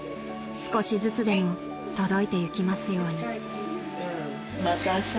［少しずつでも届いてゆきますように］